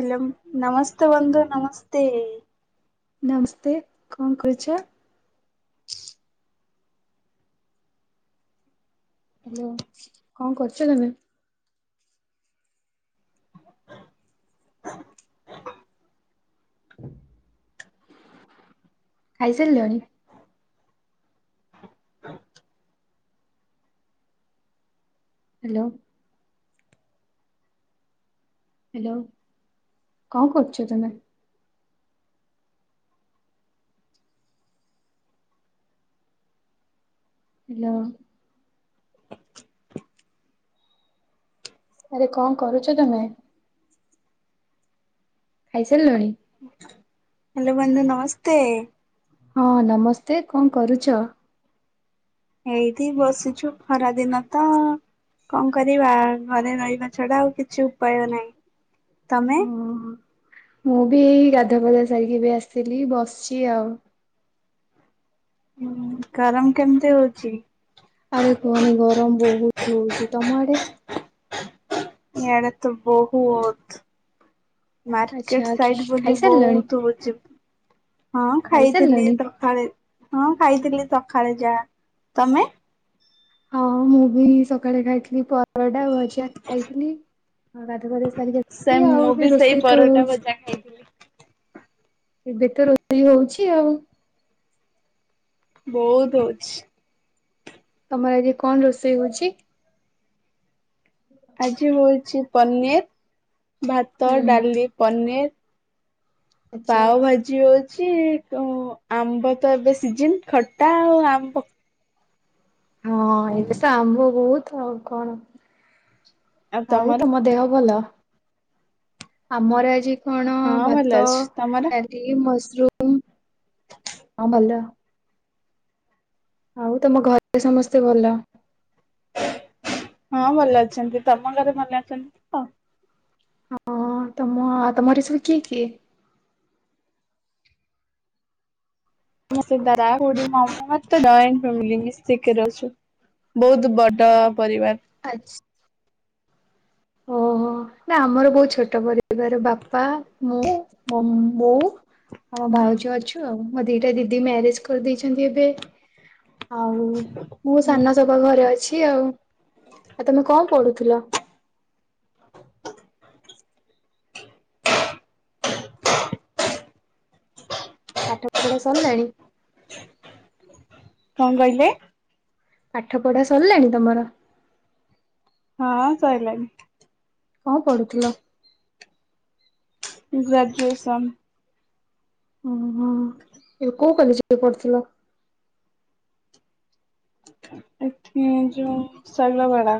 Hello ନମସ୍ତେ ବନ୍ଧୁ ନମସ୍ତେ। ନମସ୍ତେ କଣ କରୁଚ? ହାଲୋ କଣ କରୁଚ ତମେ? ଖାଇସାରିଲଣି? ହାଲୋ। ହେଲୋ କଣ କରୁଚ ତମେ? ହାଲୋ। ଆରେ କଣ କରୁଚ ତମେ? ଖାଇସାରିଲଣି? ହାଲୋ ବନ୍ଧୁ ନମସ୍ତେ। ହଁ ନମସ୍ତେ କଣ କରୁଚ? ଏଇଠି ବସିଚୁ ଖରା ଦିନ ତ। କଣ କରିବା? ଘରେ ରହିବା ଛଡା ଆଉ କିଛି ଉପାୟ ନାହିଁ। ତମେ? ହଁ, ମୁଁ ବି ଏଇ ଗାଧୁଆ ପାଧା ସାରିକି ଏବେ ଆସିଥିଲି ବସିଚି ଆଉ। ହୁଁ ଗରମ କେମିତି ହଉଚି? ଆରେ କୁହନି ଗରମ ବହୁତ ହଉଚି ତମ ଆଡେ? ଇଆଡେ ତ ବହୁତ। ଆଚ୍ଛା ମାର୍କେଟ ଖି ସାଇଟ ବୋଲି ଖାଇସାରିଲଣି ବହୁତ ହଉଚି। ହଁ ଖାଇଥିଲି ଖାଇସାରିଲଣି? ସକାଳେ ହଁ ଖାଇଥିଲି ସକାଳେ ଯାହା ତମେ? ହଁ ମୁଁ ବି ସକାଳେ ଖାଇଥିଲି ପରଟା ଆଉ ଭଜା। ଖାଇଥିଲି ଆଉ ଗାଧୁଆ ପାଧୁଆ ସାରିକି ସେ ଆସିଲି ମୁଁ ଆଉ ବି ସେଇ ରୋଷେଇ ତ ପରଟା ହଉଚି। ଭଜା ଖାଇଥିଲି ଏବେ ତ ରୋଷେଇ ହଉଚି ଆଉ ବହୁତ ହଉଚି। ତମର ଆଜି କଣ ରୋଷେଇ ହଉଚି? ହୁଁ ଆଜି ହଉଚି ପନିର ଭାତ ହୁଁ ଡାଲି ପନିର ଆଚ୍ଛା। ପାଓ ଭା ଜି ହଉଚି ଆମ୍ବ ତ ଏବେ ସିଜନ୍ ଖଟା ଆଉ ଆମ୍ବ ହଁ ଏଇବେ ତ ଆମ୍ବ ବହୁତ ଆଉ କଣ ଆଉ ତମ ଦେହ ଭଲ? ଆମର ଆଜି କଣ ହଁ ଭଲ ଭାତ ଅଛି ତମର ଡାଲି ମସରୁମ ହଁ ଭଲ। ଆଉ ତମ ଘରେ ସମସ୍ତେ ଭଲ? ହଁ ଭଲ ଅଛନ୍ତି। ତମ ଘରେ ଭଲ ଅଛନ୍ତି ତ? ହଁ ତମ ତମରେ ସବୁ କିଏ କିଏ। ଦାଦା ଖୁଡି ମାମୁ [unintelligible] ଜାଇଣ୍ଟ ଫ୍ୟାମିଲି ମିସିକିରି ଅଛୁ। ବହୁତ ବଡ ପରିବାର। ଆଚ୍ଛା। ଓହୋ। ନା ଆମର ବହୁତ ଛୋଟ ପରିବାର ବାପା ମୁଁ ମୋ ବୋଉ। ଆମ ଭାଉଜ ଅଛୁ ଆଉ ମୋ ଦିଟା ଦିଦି ମ୍ୟାରେଜ କରିଦେଇଚନ୍ତି ଏବେ। ଆଉ ମୁଁ ସାନ ସବା ଘରେ ଅଛି ଆଉ। ଆଉ ତମେ କଣ ପଢୁଥିଲ? ପାଠ ପଢା ସରିଲାଣି? କଣ କହିଲେ? ପାଠ ପଢା ସରିଲାଣି ତମର? ହଁ ସଇଲଣିି। କଣ ପଢୁଥିଲ? ଗ୍ରାଜୁଏସନ୍। ଓହୋ ଏବେ କୋଉ କଲେଜ ପଢୁଥିଲ? ଏଠି ଯୋଉ ସଇଲବାଳା।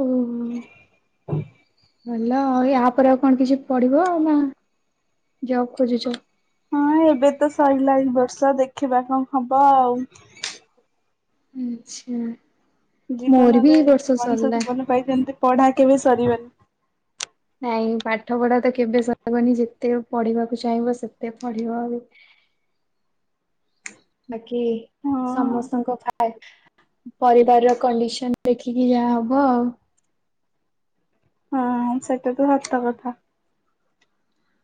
ଓ। ଭଲ ଆଉ ୟାପରେ ଆଉ କଣ କିଛି ପଡିବ ଆଉ ନା ଜବ୍ ଖୋଜୁଚ? ହଁ ଏବେ ତ ସରିଲା ଏଇ ବର୍ଷ ଦେଖିବା କଣ ହବ ଆଉ। ଆଛା ମୋର ଜୀବନରେ ବି ଏ ବର୍ଷ ମଣିଷ ସରିଲା। ଜୀବନ ପାଇଁ ସେମିତି ପଢା କେବେ ସରିବେନି। ନାଇଁ ପାଠ ପଢା ତ କେବେ ସରିବନି ଯେତେ ପଢିବାକୁ ଚାହିଁବ ସେତେ ପଢିବ ଆଉ। ବାକି ହଁ ସମସ୍ତଙ୍କ [unintelligible] ପରିବାର ର କଣ୍ଡିସନ ଦେଖିକି ଯାହା ହବ ଆଉ। ହଁ ସେଟ ତ ସତ କଥା।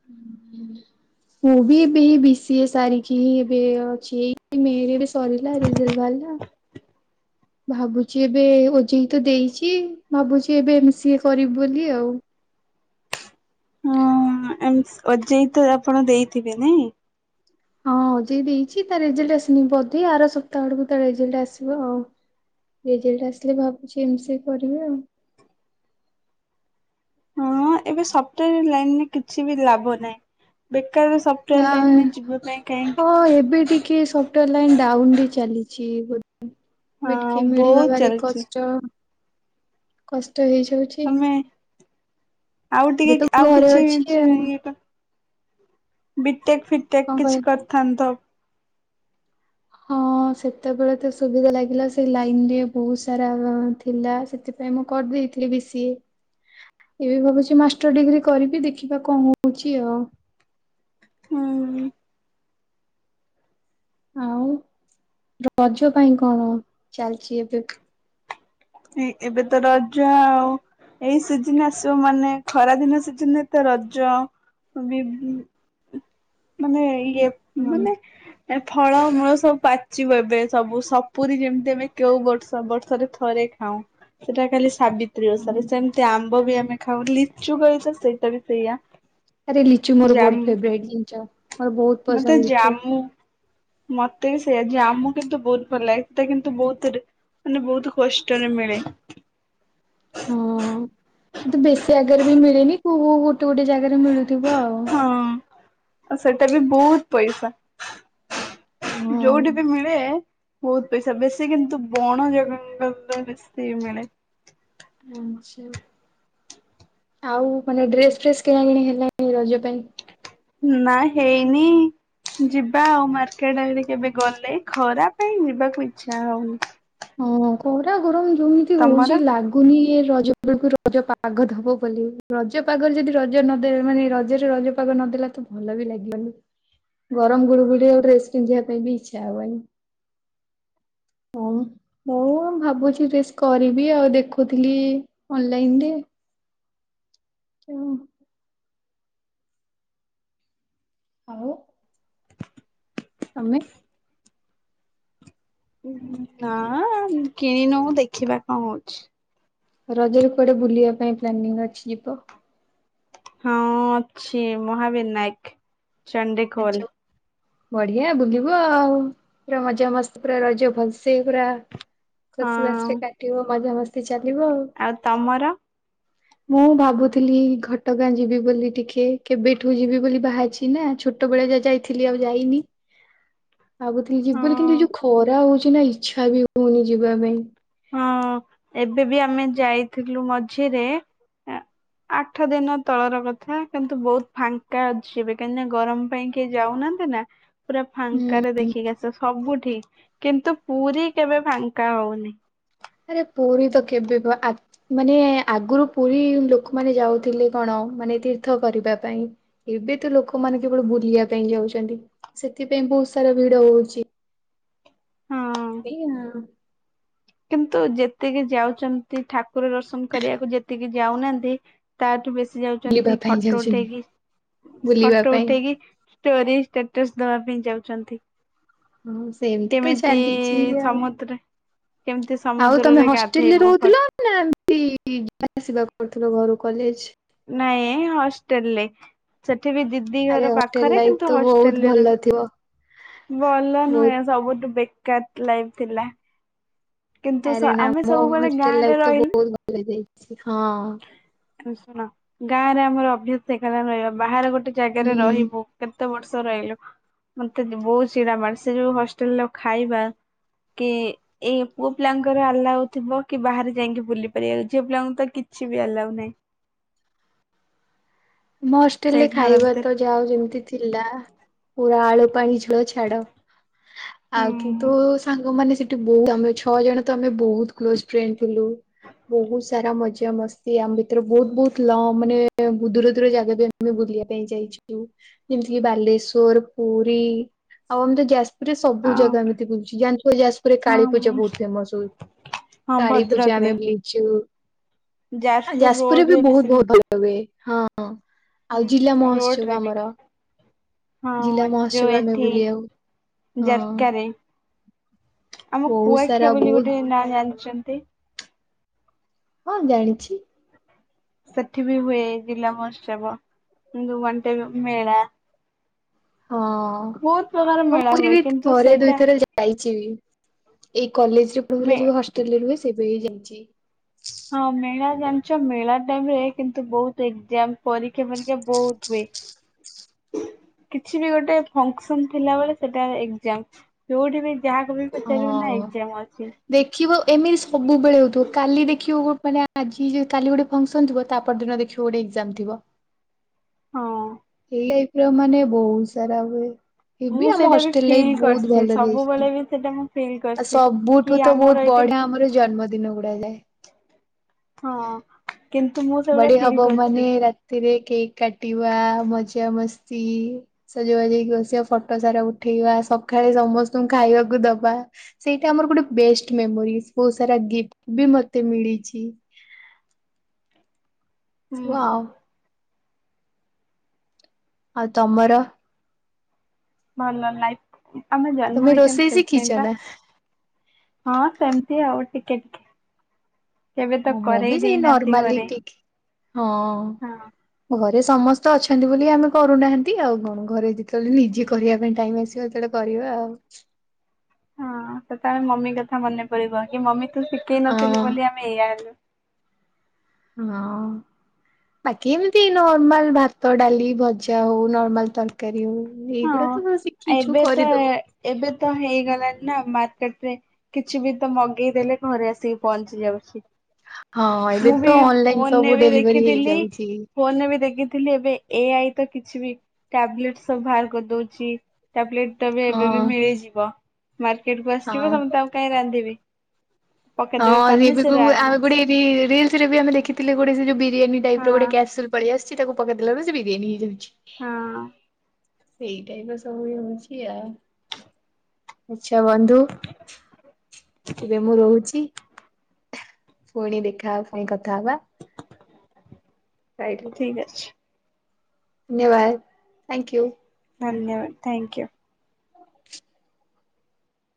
ହୁଁ ହୁ [inaudible] ମୁଁ ବି ଏବେ ବି ସିଏ ସାରିକି ଏବେ ଅଛି ଏ ମଇ ରେ ସରିଲା ରେଜଲ୍ଟ ବାହାରିଲା। [inaudible] ଭାବୁଚି ଏବେ ଓଜେଇ ତ ଦେଇଚି ଭାବୁଚି ଏବେ ଏମ୍ ସି ଏ କରିବୁ ବୋଲି ଆଉ। ଏମ୍ସ ଓ ଜେ ଇ ତ ଆପଣ ଦେଇଥିବେ ନାଇଁ। ହଁ ଓ ଜେ ଇ ଦେଇଚି ତାର ରେଜଲଟ ଆସନି ବଧେ ଆର ସପ୍ତାହ ଆଡ଼କୁ ଟା ରେଜଲ୍ଟ ଆସିବ ଆଉ। ରେଜଲ୍ଟ ଆସିଲେ ଭାବୁଚି ଏମ୍ ସି ଏ କରିବି ଆଉ। ହ ଏବେ ସପ୍ଟୱେୟାର ଲାଇନରେ କିଛି ବି ଲାଭ ନାହିଁ। ବେକାର ସ ଆଁ ହଁ ଏବେ ଟିକେ ସ ଟ ଲାଇନ ଡାଉନରେ ଚାଲିଛି ବୋଧେ ଏବେ ହଁ ଟିକେ ବହୁତ ମିଳିବା ଭାରି ଚାଲିଛି କଷ୍ଟ। କଷ୍ଟ ହେଇଯାଉଛି। ତମେ ଆଉ ଏବେ ତ ଟିକେ ଆଉ ଘରେ କିଛି ଅଛି ଯେ ଆଉ ଇଏ କ ବି ଟେକ୍ ଫିଟେକ୍ କଣ କହିବ? କିଛି କରିଥାନ୍ତ। ହଁ ସେତେବେଳେ ତ ସୁବିଧା ଲାଗିଲା ସେଇ ଲାଇନ ରେ ବହୁତ ସାରା ବ ଥିଲା ସେଥି ପାଇଁ ମୁଁ କରିଦେଇଥିଲି ବି ସି ଏ। ଏବେ ଭାବୁଛି ମାଷ୍ଟର ଡିଗ୍ରୀ କରିବି ଦେଖିବା କଣ ହଉଛି ଆଉ। ହୁଁ ଆଉ ରଜ ପାଇଁ କଣ ଚାଲିଛି ଏବେ? ଏ-ଏବେ ତ ରଜ ଆଉ। ଏଇ ସିଜିିନ ଆସିବ ମାନେ ଖରାଦିନ ସିଜିନ ରେ ତ ରଜ ଅ ବି ମାନେ ଇଏ ହଁ ମାନେ। ଏ ଫଳମୂଳ ସବୁ ପାଚିବ ଏବେ ସବୁ ସପୁରୀ ଯେମିତି ଆମେ କେଉ ବର୍ଷ ବର୍ଷରେ ଥରେ। ହଁ। ସେଟା ଖାଲି ସାବିତ୍ରୀ ଓଷାରେ। ହଁ ସେମିତି ଆମ୍ବ ବି ଆମେ ଖାଉ ଲିଚୁ କୋଳି ତ ସେଇଟା ବି ସେଇଆ। ଆରେ ଲିଚୁ ମୋର ବହୁତ୍ ଫେବରେଟ ଜିନିଷ। ମୋର ବହୁତ ମୋତେ ପସନ୍ଦ ଲିଚୁ ଜାମୁ। ମତେ ବି ସେଇଆ, ଜାମୁ କିନ୍ତୁ ବହୁତ ଭଲ ଲାଗେ। ସେଟା କିନ୍ତୁ ବହୁତ ରେ ମାନେ ବହୁତ କଷ୍ଟରେ ମିଳେ। ହଁ କିନ୍ତୁ ବେଶୀ ଜାଗାରେ ବି ମିଳିନି କୋଉ କୋଉ ଗୋଟେ ଗୋଟେ ଜାଗାରେ ମିଳୁଥିବ ଆଉ। ହଁ। ଅ ସେଟା ବି ବହୁତ ପଇସା ଯୋଉଠି ବି ମି ଏ ବହୁତ ପଇସା ବେଶୀ କିନ୍ତୁ ବଣ ଜାଗା [unintelligible] ବେଶୀ ମିଳେ। ଜାଣିଛ। ଆଉ ମାନେ ଡ୍ରେସ ଫ୍ରେସ୍ କିଣା କିିଣି ହେଲାଣି ରଜ ପାଇଁ? ନା ହେଇନି। ଯିବା ଆଉ ମାର୍କେଟ ଆଡ଼େ କେବେ ଗଲେ ଖରା ପାଇଁ ଯିବାକୁ ଇଚ୍ଛା ହଉନି। ହଁ ଖରା ଗରମ ଯେମିତି ହଉଛି ତମର? ଲାଗ କୁନି ଏ ରଜ ବେଳକୁ ରଜ ପାଗ ଦବ ବୋଲି ରଜ ପାଗରେ ଯଦି ରଜ ନ ଦେବେ ମାନେ ରଜରେ ରଜ। ପାଗ ନ ଦେଲା ତ ଭଲ ବି ଲାଗିବନି। ଗରମ ଗୁଳୁଗୁଳି [unintelligible] ଡ୍ରେସ ପିନ୍ଧିବା ପାଇଁ ବି ଇଚ୍ଛା ହବନି। ହଁ ମ। ମୁଁ ଭାବୁଛି ଡ୍ରେସ୍ କରିବି ଆଉ ଦେଖୁଥିଲି ଅନଲାଇନ ରେ। [unintelligible] ଆଉ। ତମେ। ନା ଉଁ କିଣିନଉ ଦେଖିବା କଣ ହଉଛି। ରଜରେ କୁଆଡେ ବୁଲିବା ପାଇଁ ପ୍ଲାନିଙ୍ଗ ଅଛି ଯିବ? ହଁ ଅଛି ମହାବିନାୟକ, ଆଚ୍ଛା ଚଣ୍ଡିଖୋଲ। ବଢିଆ ବୁଲିବୁ ଆଉ। ପୁରା ମଜା ମସ୍ତି ପୁରା ରଜ ଭଲସେ ପୁରା। ହଁ ଖୁସି ବାସିରେ କାଟିବ ମଜାମସ୍ତି ଚାଲିବ ଆଉ। ଆଉ ତମର? [inaudible] ମୁଁ ଭାବୁଥିଲି ଘଟଗାଁ ଯିବି ବୋଲି ଟିକେ କେବେଠୁ ଯିବି ବୋଲି ବାହାରିଛି ନା ଛୋ ଟବେଳେ ଯାହା ଯାଇଥିଲି ଆଉ ଯାଇନି। ଭାବୁଥିଲି ଯିବିବୋଲି କିନ୍ତୁ ହଁ ଏ ଯୋଉ ଖରା ହଉଛି ନା ଇଚ୍ଛା ବି ହଉନି ଯିବା ପାଇଁ। ହଁ ଏବେ ବି ଆମେ ଯାଇଥିଲୁ ମଝିରେ ଆଠ ଦିନ ତଳର କଥା କିନ୍ତୁ ବହୁତ ଫାଙ୍କା ଅଛି ଏବେ କାହିଁକି ନା ଗରମ ପାଇଁ କି କେହି ଯାଉନାହାନ୍ତି ନା ପୁରା ହୁଁ। ଫାଙ୍କା ରେ ଦେଖିକି ଆସ ସବୁଠି କିନ୍ତୁ ପୁରୀ କେବେ ଫାଙ୍କା ହଉନି। ଆରେ ପୁରୀ ତ କେବେବି ଆ ମାନେ ଆଗରୁ ପୁରୀ ଲୋକମାନେ ଯାଉଥିଲେ କଣ ମାନେ ତୀର୍ଥ କରିବା ପାଇଁ। ଏବେ ତ ଲୋକମାନେ କେବଳ ବୁଲିବା ପାଇଁ ଯାଉଛନ୍ତି ସେଥିପାଇଁ ବହୁତ ସାରା ଭିଡ ହଉଛି। ହଁ ଏଇ କିନ୍ତୁ ଯେତିକି ଯାଉଛନ୍ତି ଠାକୁର ଦର୍ଶନ କରିବାକୁ ଯେତିକି ଯାଉନାହାନ୍ତି ତାଠୁ ବେଶି ବୁଲିବା ଯାଉଛନ୍ତି ପାଇଁ ଫଟୋ ଯାଉଛନ୍ତି ଉଠେଇକି, ବୁଲିବା ଫଟୋ ପାଇଁ। ଉଠେଇକି ଷ୍ଟୋରି, ଷ୍ଟାଟସ୍ ଦବା ପାଇଁ ଯାଉଛନ୍ତି। ହଁ ସେମିତି ତ କେମିତି ଚାଲିଛି ଆଉ। ସମୁଦ୍ର କେମିତି ଆଉ ତମେ ସମୁଦ୍ରରେ ହଷ୍ଟେଲ ରେ ଗାଧେଇବୁ ଫଟୋ ରହୁଥିଲ? ନା ଏମତି ଯିବା ଆସିବା କରୁଥିଲ ଘରୁ କଲେଜ? ନାଇଁ ହଷ୍ଟେଲ ରେ, ସେଠି ବି ଦିଦି ଆରେ ଦିଘର ହଷ୍ଟେଲ ପାଖରେ ଲାଇଫ କିନ୍ତୁ ତ ହଷ୍ଟେଲ ବହୁତ ରେ ଭଲ ଥିବ ରୁହେ। ଭଲ ବହୁତ ନୁହେଁ ସବୁଠୁ ବେ କାର ଲାଇଭ୍ ଥିଲା କିନ୍ତୁ ସ ଆରେ ନା ଆମେ ମୋ ସବୁବେଳେ ହଷ୍ଟେଲ ଗାଁରେ ଲାଇ ତ ରହିଲେ ବହୁତ ଭଲ ଯାଇଛି ହଁ। ଶୁଣ ଗାଁ ରେ ଆମର ଅଭ୍ୟାସ ସେଖାରେ ରହିବ ବାହାରେ ଗୋଟେ ଜାଗାରେ ହୁଁ ରହିବୁ। କେତେ ବର୍ଷ ରହିଲୁ? ମତେ ବହୁତ ଚିଡା ମାଡେ, ସେ ଯୋଉ ହଷ୍ଟେଲରେ ଖାଇବା କି ଏଇ ପୁଅ ପିଲାଙ୍କର ଆଲା୍ଉ ଥିବ କି ବାହାରେ ଯାଇକି ବୁଲି ପାରିବା ଝିଅ ପିଲାଙ୍କଙ୍କୁ ତ କିଛି ବି ଆଲ୍ଉ ନାହିଁ। ମୋ ସେଇ ହଷ୍ଟେଲରେ ଘର ଖାଇବା ଭିତରେ ତ ଯା ହଉ ଯେମିତି ଥିଲା ପୁରା ଆଳୁ ପାଣି ଝୋଳ ଛାଡ ଆଉ କିନ୍ତୁ ହୁଁ ସାଙ୍ଗମାନେ ସେ ଠି, ବହୁ ତମେ ଛଅ ଜଣ ତ ଆମେ ବହୁତ କ୍ଲୋଜ ଫ୍ରେଣ୍ଡ ଥିଲୁ। ବହୁତ ସାରା ମଜା ମସ୍ତି ଆମ ଭିତରେ ବହୁତ ବହୁତ ଲ ମାନେ ବୁଦୁର ଦୂର ଜାଗା ବି ଆମେ ବୁଲିବା ପାଇଁ ଯାଇଛୁ। ଯେମିତିକି ବାଲେଶ୍ଵର, ପୁରୀ ଆଉ ଏମତି ଯାଜ ପୁର ସବୁ ହଁ ଜାଗା ଏମିତି ବୁଛି ଯାଣିଥିବ ଯାଜପୁରରେ କାଳୀ ପୂଜା ହଁ ବହୁତ ଫେମସ ହଉ ହଁ କାଳୀ ପୂଜା ଆମେ ଭଦ୍ରକରେ ବୁଲିଛୁ, ଆ ଯାଜପୁର ଯାଜପୁରରେ ବି ରୋଡରେ ବହୁତ ବହୁତ ଭଲ ହୁଏ, ହଁଁ ଆଉ ଜିଲା ସେମ ମହତ୍ସବ ରୋଡରେ ବି ଆମର ଜିଲ୍ଲା ହଁ ଯୋଉ ମହୋତ୍ସବ ଆମେ ଏଠି ବୁଲି ଆଉ ହଁ। ଜାରକାରେ ଆମ ବହୁତ କୁଆଖିଆ ସାରା ବୋଲି ବହୁତ ଗୋଟେ ନାଁ ଜାଣିଛନ୍ତି? ହଁ ଜାଣିଛି। ସେଠି ବି ହୁଏ ଜିଲ୍ଲା ମହୋତ୍ସବ କିନ୍ତୁ ୱାନ ଟାଇପ୍ ଅଫ୍ ମେଳା। ହଁ ବହୁତ ପ୍ରକାର ମେଳା ମୁଁ ହୁଏ ବି କିନ୍ତୁ ଥରେ ସେଇଟା ଦୁଇଥରେ ଯା ଯାଇଛି ବି ଏଇ କଲେଜରେ ମେ ପତ୍ରଥିଲି ଯୋଉ ହଷ୍ଟେଲରେ ରୁହେ ସେ ଦେଇ ଯାଇଛି। ହଁ ମେଳା ଜାଣିଛ ମେଳା ଟାଇମ ରେ କିନ୍ତୁ ବହୁତ ଏଜାମ ପରୀକ୍ଷା ପରୀକ୍ଷା ବହୁତ ହୁଏ। [inaudible] କିଛି ବି ଗୋଟେ ଫଙ୍କସନ ଥିଲାବେଳେ ସେଟା ଏଜାମ ଯୋଉଠି ବି ଯାହାକୁ ବି ହଁ। ଏକ୍ଜାମ ଅଛି ଦେଖିବ ଏମିତି ସବୁବେଳେ ହଉଥିବ କାଲି ଦେଖିବ ଗୋ ମାନେ ଆଜି କାଲି ଗୋ ଫଙ୍କସନ ଥିବ ତା ପର ଦିନ ଦେଖିବ ଗୋଟେ ଏକ୍ଜାମ ଥିବ? ହଁ। ଏଇ ଲାଇଫ୍ ର ମାନେ ବହୁ ସାରା ହୁଏ ଏ ବି ମୁଁ ଆମ ସେଇଟା ହଷ୍ଟେଲ୍ ଲାଇଫ୍ ବହୁତ୍ ଭଲରେ ଯାଇଛି। ସେଡା ମୁଁ ଫିଲ୍ ଆଉ କରିଛି। ସବୁଠୁ କି ତ ବହୁତ୍ ଆମର ଏଇଠି ବଢିଆ ଆମର ଜନ୍ମଦିନ ଗୁଡା ଯାଏ। ହଁ କିନ୍ତୁ ମୁଁ ସେଗୁରା ଫିଲ୍ କରିଚି। ଥୀରେ କେକ୍ କାଟିିବା ମଜା ମସ୍ତି ସଜବାଜ ହେଇକି ବସିବା ଫଟୋ ସାରା ଉଠେଇବା ସକାଳେ ସମସ୍ତଙ୍କୁ ଖାଇବାକୁ ଦବା ସେଇଟା ଆମର ଗୋଟେ ବେଷ୍ଟ ମେମୋରିସ୍ ବହୁତ ସାରା ଗିଫ୍ଟ ବି ମତେ ମିଳିଛି। ସବୁ ଆଉ ହୁଁ। ଆଉ ତମର? ଭଲ ଲାଇଫ୍। ତମେ ଜନ୍ମ ହେଇଛନ୍ତି ରୋଷେଇ ସେଇଥ ଶିଖିଛ ପାଇଁ ପା। ନା? ହଁ ସେମ୍ତି ଆଉ ଟିକେ ଟିକେ। କେବେ ତ ମୁଁ କରେଇ ବି ସେଇ ଦେଇନାହାନ୍ତି ନର୍ମାଲିି ଘରେ ଟିକ୍ ହଁ। ହଁ। ଘରେ ସମସ୍ତେ ଅଛନ୍ତି ବୋଲି ଆମେ କରୁନାହାନ୍ତି ଆଉ କଣ ଘରେ ଯି ତେବେଳେ ନିଜେ କରିଆ ପାଇଁ ଟାଇମ୍ ଆସିବ ସେତେବେଳେ କରିବା ଆଉ। ହଁ ସେତେବେଳେ ମମି କଥା ମନେ ପଡିବ କି ମମି ତୁ ଶିଖେଇ ନଥିଲୁ ହଁ ବୋଲି ଆମେ ଏଇଆ ହେଲୁ। ହଁ। ବାକି ଏମିତି ନର୍ମାଲ ଭାତ ଡାଲି ଭଜା ହଉ ନର୍ମାଲ୍ ତର୍ କାରୀ ହଉ ଏଇଗୁଡା ହଁ ତ [unintelligible] ଶିଖିଛୁ ଏବେ ତ କରିଦବୁ। ଏବେ ତ ହେଇଗଲାଣିି ନା ମାର୍କେଟରେ କିଛି ବି ତ ମଗେଇ ଦେଲେ ଘରେ ଆସିକି ପହଞ୍ଚି ଯାଉଛି। ହଁ ଏବେ ମୁଁ ତ ବି ଅନଲାଇନ ସବୁ ଫୋନେ ବି ଡେଲିଭରି ଦେଖିଥିଲି ହେଇଯାଉଛି। ଫୋନେ ବି ଦେଖିଥିଲି ଏବେ ଏ ଆଇ ତ କିଛି ବି ଟାବଲେଟ୍ ସବୁ ବାହାର କର୍ ଦଉଛି ଟାବଲେଟ୍ ତ ବେ ଏବେ ବି ହଁ ମିଳିଯିବ ମାର୍କେଟକୁ ଆସିିବ ତମେ ହଁ ତା ଆଉ କାଇଁ ରାନ୍ଧିବି। ହଁ ପକେଇଦେବେ ପାନିରେ ସେ ଲିବିକୁ ମୁଁ ରାନ୍ଧ ଆଉ କୁଡ଼ି ରି ରିଲସ୍ ରେ ବି ଆମେ ଦେଖିଥିଲେ ଗୋଟେ ସେ ଯୋଉ ବିରିୟାନୀ ଟାଇପ୍ ର ହଁ ଗୋଟେ କେସଲ୍ ପଳି ଆସିଛି ତାକୁ ପକେଇ ବେଳୁ ସେ ବିରିିୟାନି ହେଇଯାଉଚି। ହଁ। ସେଇ ଟାଇପ୍ ର ସବୁ ଇଏ ହଉଛି ଆ ଆଚ୍ଛା ବନ୍ଧୁ ଏବେ ମୁଁ ରହୁଚି। ପୁଣି ଦେଖା ପାଇଁ କଥା ହବା। [unintelligible] ଠିକ୍ ଅଛି। ନ୍ୟବାଦ ଥାଇଙ୍କ୍ୟୁ। ଧନ୍ୟବାଦ ଥାଇଙ୍କ୍ୟୁ। ହ